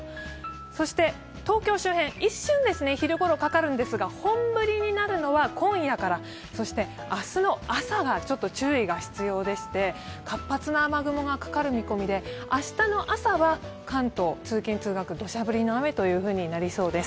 そして東京周辺、一瞬、昼ごろかかるんですが本降りになるのは今夜から、そして明日の朝が注意が必要でして、活発な雨雲がかかる見込みで明日の朝は関東、通勤・通学土砂降りの雨となりそうです。